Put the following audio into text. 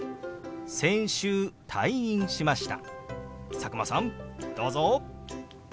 佐久間さんどうぞ！